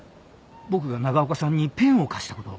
僕が長岡さんにペンを貸したこと。